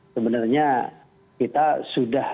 sebenarnya kita sudah